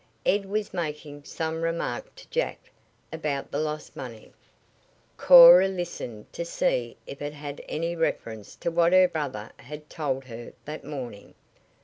Ed was making some remark to Jack about the lost money. Cora listened to see if it had any reference to what her brother had told her that morning.